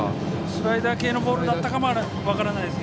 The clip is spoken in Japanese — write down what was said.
スライダー系のボールだったかも分からないです。